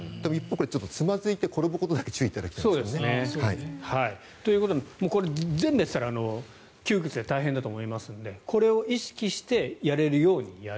つまずいて転ぶことだけ注意いただきたい。ということで全部やっていたら窮屈で大変だと思いますのでこれを意識してやれるようにやる。